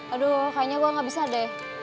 aduh kayaknya gue gak bisa deh